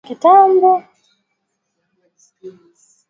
Bain Omugisa amesema kwamba hatua hiyo imechochewa na ongezeko la vifo